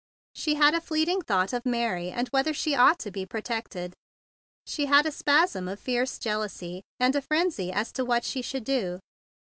She had a fleeting thought of Mary and whether she ought to be protected. She had a spasm of fierce jealousy, and a frenzy as to what she should do.